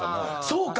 そうか。